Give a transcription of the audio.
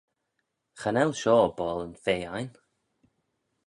Cha nel shoh boall yn fea ain.